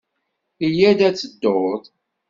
Yya-d ad tedduḍ.